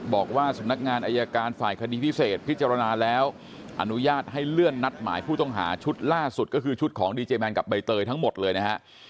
บอกว่าสำนักงานอายการฝ่ายคดีพิเศษพิจารณาแล้วอนุญาตให้เลื่อนนัดหมายผู้ต้องหาชุดล่าสุดก็คือชุดของดีเจแมนกับใบเตยทั้งหมดเลยนะฮะ